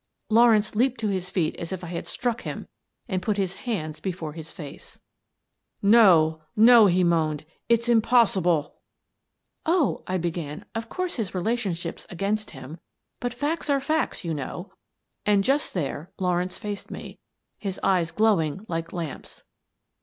Lawrence leaped to his feet as if I had struck him and put his hands before his face. 252 Miss Frances Baird, Detective " No, no! " he moaned. " It's impossible! "" Oh," I began, " of course his relationship's against him, but facts are facts, you know." And just there Lawrence faced me, his eyes glow ing like lamps.